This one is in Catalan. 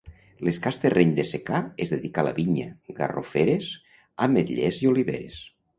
L'escàs terreny de secà es dedica a la vinya, garroferes, ametllers i oliveres.